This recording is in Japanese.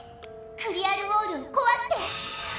クリアル・ウォールをこわして！